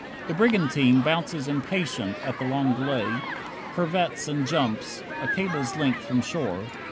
The brigantine Bounces impatient at the long delay, Curvets and jumps, a cable's length from shore.